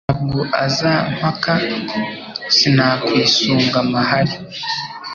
Ntabwo azampaka Sinakwisunga amahari,